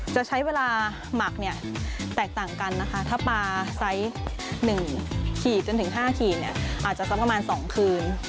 จะใช้เวลาหมักเนี่ยแตกต่างกันนะคะถ้าปลาไซส์๑ขีดจนถึง๕ขีดเนี่ยอาจจะสักประมาณ๒คืน